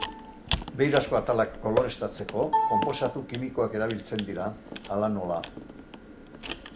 Beirazko atalak koloreztatzeko konposatu kimikoak erabiltzen dira, hala nola.